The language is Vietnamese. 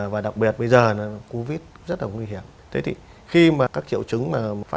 và đặc biệt bây giờ là covid rất là nguy hiểm